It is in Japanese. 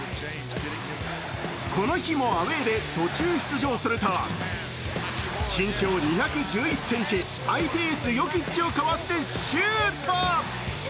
この日もアウェーで途中出場すると身長２１１ｃｍ、相手エースヨキッチをかわしてシュート。